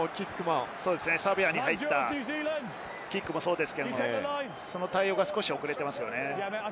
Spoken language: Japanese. サヴェアに入ったキックもそうですし、対応が少し遅れています。